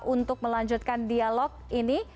untuk melanjutkan dialog ini